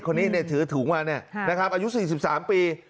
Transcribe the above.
คนนี้เนี่ยถือถุงมาเนี่ยอายุ๔๓ปี